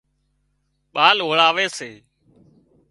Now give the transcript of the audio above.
ٻال اوۯاوي سي